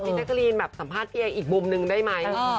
พี่แกะก็รีนสัมภาษณ์พี่เออีกมุมนึงได้ไหม